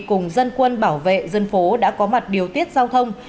cùng dân quân bảo vệ dân phố đã có mặt điều tiết giao thông